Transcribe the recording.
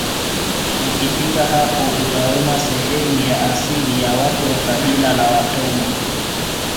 Ukifika hapo utaona sehemu ya asili ya watu wa kabila la Watongwe